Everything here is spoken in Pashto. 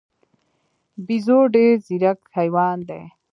بیزو ډېر ځیرک حیوان دی.